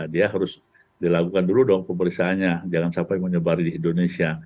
dia harus dilakukan dulu dong pemeriksaannya jangan sampai menyebari di indonesia